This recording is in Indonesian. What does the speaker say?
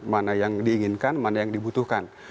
mana yang diinginkan mana yang dibutuhkan